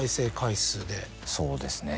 そうですね。